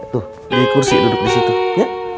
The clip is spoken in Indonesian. tuh di kursi duduk di situ ya